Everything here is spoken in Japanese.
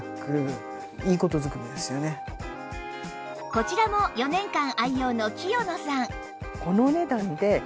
こちらも４年間愛用の清野さん